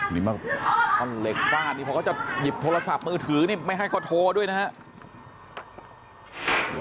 ท่อเหล็กฟาดนี่เพราะก็จะหยิบโทรศัพท์มือถือนี่ไม่ให้เขาโทรด้วยนะฮะ